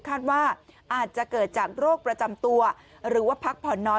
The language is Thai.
คาดว่าอาจจะเกิดจากโรคประจำตัวหรือว่าพักผ่อนน้อย